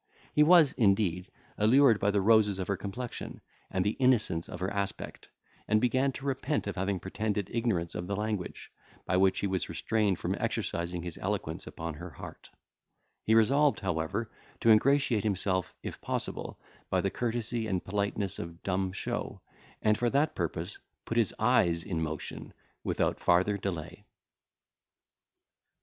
He was, indeed, allured by the roses of her complexion, and the innocence of her aspect, and began to repent of having pretended ignorance of the language, by which he was restrained from exercising his eloquence upon her heart; he resolved, however, to ingratiate himself, if possible, by the courtesy and politeness of dumb show, and for that purpose put his eyes in motion without farther delay.